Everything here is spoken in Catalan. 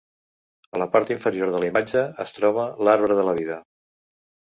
A la part inferior de la imatge es troba l'Arbre de la Vida.